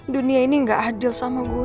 dunia ini gak adil sama gue